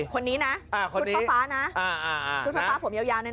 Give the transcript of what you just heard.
คนนี้นะอ่าคนนี้คุณพ่อฟ้านะอ่าอ่าคุณพ่อฟ้าผมเยาว์ยาวหน่อยน่ะ